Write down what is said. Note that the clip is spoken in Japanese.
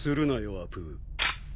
アプー。